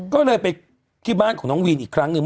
ก็เลยไปที่บ้านของน้องวีนอีกครั้งหนึ่ง